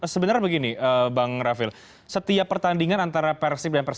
sebenarnya begini bang rafil setiap pertandingan antara persib dan persib